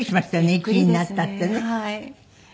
１位になったってね。